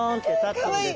かわいい！